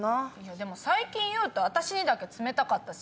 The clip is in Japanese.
でも最近ユウト私にだけ冷たかったし。